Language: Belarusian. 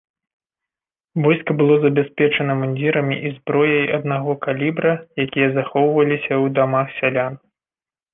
Войска было забяспечана мундзірамі і зброяй аднаго калібра, якія захоўваліся ў дамах сялян.